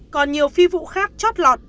còn nhiều phi vụ khác chót lọt